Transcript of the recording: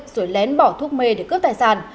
rồi lén bỏ thuốc mê để cướp tài sản